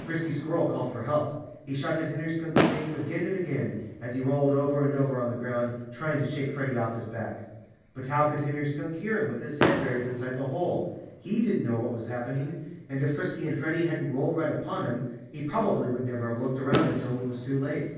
Frisky Squirrel called for help. He shouted Henry Skunk's name again and again, as he rolled over and over on the ground, trying to shake Freddie off his back. But how could Henry Skunk hear him, with his head buried inside the hole? He didn't know what was happening. And if Frisky and Freddie hadn't rolled right upon him he probably would never have looked around until it was too late.